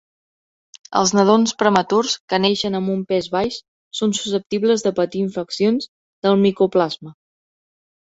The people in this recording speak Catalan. Els nadons prematurs que neixen amb un pes baix són susceptibles de patir infeccions del micoplasma.